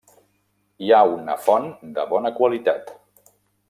Hi ha una font de bona qualitat.